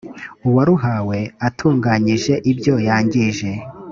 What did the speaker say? uwaruhawe atunganyije ibyo yangije